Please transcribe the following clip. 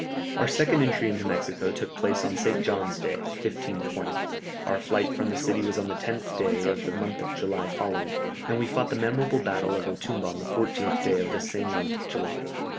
Our second entry into Mexico took place on St. John's Day, 1520; our flight from the city was on the 10th day of the month of July following, and we fought the memorable battle of Otumba on the 14th day of this same month of July.